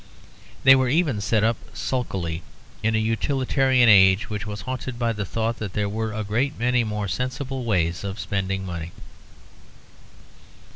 They were even set up sulkily, in a utilitarian age which was haunted by the thought that there were a great many more sensible ways of spending money.